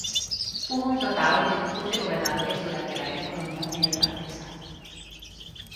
Hubo un total de doce gobernadores durante la era colonial neerlandesa.